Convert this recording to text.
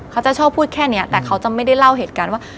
เขาจะชอบพูดแค่นี้แต่เขาจะไม่ได้เล่าเหตุการณ์ว่า